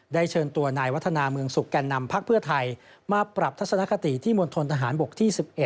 เชิญตัวนายวัฒนาเมืองสุขแก่นำพักเพื่อไทยมาปรับทัศนคติที่มณฑนทหารบกที่๑๑